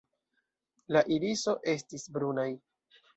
La iriso estis brunaj.